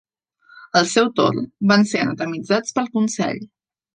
Al seu torn, van ser anatemitzats pel Consell.